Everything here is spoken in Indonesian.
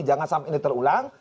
jangan sampai ini terulang